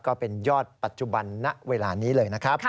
ก็เป็นยอดปัจจุบันณเวลานี้เลยนะครับ